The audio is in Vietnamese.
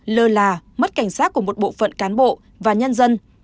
lơ là mất cảnh sát của một bộ phận cán bộ và nhân dân